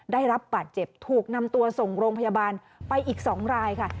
ได้รับบาดเจ็บถูกนำตัวส่งโรงพยาบาลไปอีก๒รายค่ะ